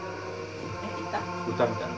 歌みたいな。